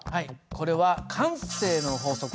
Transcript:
これは「慣性の法則」。